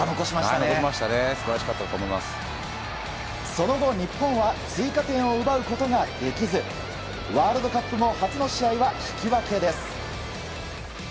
その後、日本は追加点を奪うことができずワールドカップ後、初の試合は引き分けです。